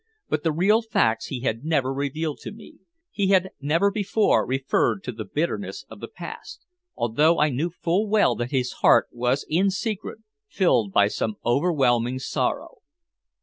But the real facts he had never revealed to me. He had never before referred to the bitterness of the past, although I knew full well that his heart was in secret filled by some overwhelming sorrow.